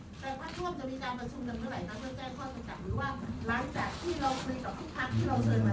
แปดพักร่วมจะมีการประชุมจำกัดเมื่อไหร่ครับ